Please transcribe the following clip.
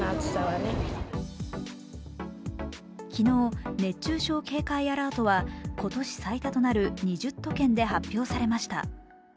昨日、熱中症警戒アラートは今年最多となる２０都県で発表されました。